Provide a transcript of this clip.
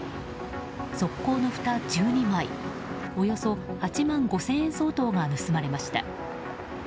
側溝のふた１２枚およそ８万５０００円相当が盗まれました。